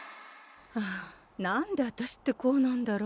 はあ何であたしってこうなんだろう。